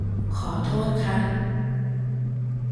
ขอโทษคะ